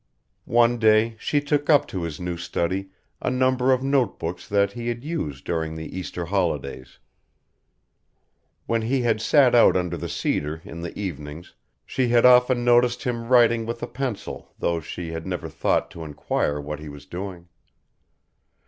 One day she took up to his new study a number of note books that he had used during the Easter holidays. When he had sat out under the cedar in the evenings she had often noticed him writing with a pencil though she had never thought to enquire what he was doing.